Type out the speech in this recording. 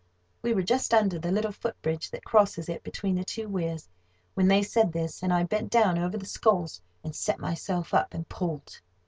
We were just under the little foot bridge that crosses it between the two weirs, when they said this, and I bent down over the sculls, and set myself up, and pulled.